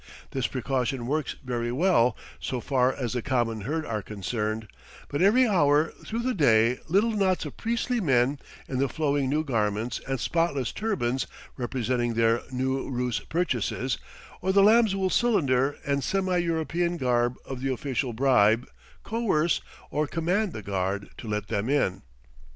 This precaution works very well so far as the common herd are concerned, but every hour through the day little knots of priestly men in the flowing new garments and spotless turbans representing their Noo Roos purchases, or the lamb's wool cylinder and semi European garb of the official, bribe, coerce, or command the guard to let them in.